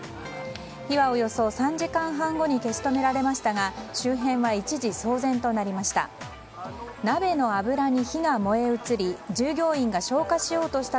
火は、およそ３時間半後に消し止められましたが周辺は一時、騒然となりました。